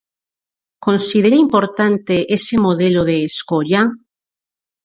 Considera importante ese modelo de escolla?